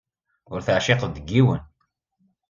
Ur teɛciqeḍ deg yiwen.